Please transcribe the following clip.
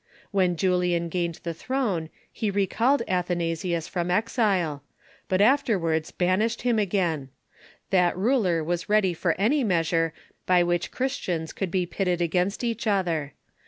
When Julian gained the throne he recalled Atbanasius from exile, but afterwards banished him again. That ruler was ready for any measure by which Christians could be pitted against each other.